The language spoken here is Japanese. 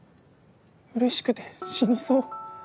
うれしくて死にそう。